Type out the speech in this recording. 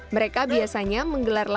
mereka biasanya menggelar latihannya